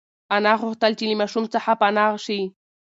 انا غوښتل چې له ماشوم څخه پنا شي.